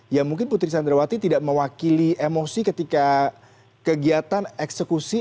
ya mungkin putri candrawati tidak mewakili emosi ketika kegiatan eksekusi